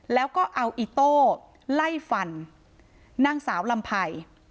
แล้วก็เอาอิโต้ไล่ฟันนางสาวลำไพร